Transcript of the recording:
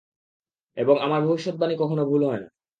এবং আমার ভবিষ্যদ্বাণী কখনও ভুল হয় না।